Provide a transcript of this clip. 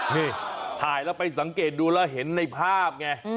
นี่ถ่ายแล้วไปสังเกตดูแล้วเห็นในภาพไง